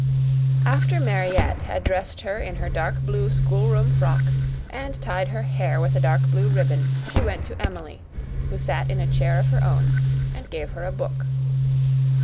After Mariette had dressed her in her dark blue schoolroom frock and tied her hair with a dark blue ribbon, she went to Emily, who sat in a chair of her own, and gave her a book.